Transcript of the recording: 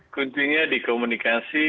kuncinya di komunikasi